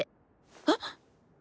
えっ。